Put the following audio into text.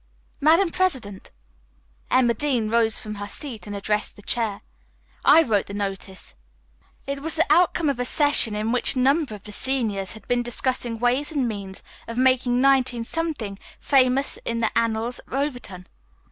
"Madam President," Emma Dean rose from her seat and addressed the chair, "I wrote the notice. It was the outcome of a session in which a number of the seniors had been discussing ways and means of making 19 famous in the annals of Overton."